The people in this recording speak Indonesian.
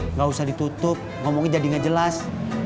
enggak usah ditutup ngomongnya jadi enggak jelas